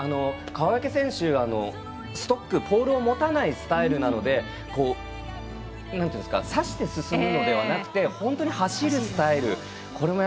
川除選手はストック、ポールを持たないスタイルなので刺して、進むのではなくて本当に走るスタイル。